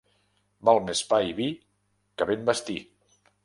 Val més pa i vi que ben vestir.